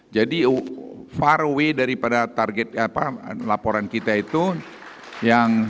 jadi far away daripada target laporan kita itu yang sembilan belas